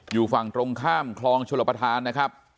อยู่ฝั่งตรงข้ามคลองชลประธานนะครับ